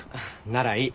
ならいい。